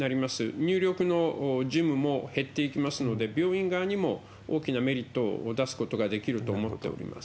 入力の事務も減っていきますので、病院側にも大きなメリットを出すことができると思っております。